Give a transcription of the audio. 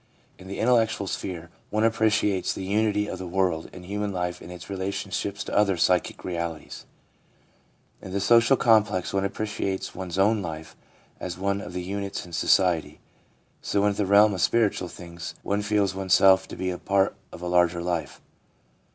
In the intellectual sphere, one appreciates the unity of the world, and human life in its relationships to other physical realities ; in the social complex, one appre ciates one's own life as one of the units in society ; so, in the realm of spiritual things, one feels oneself to be a part of a larger life.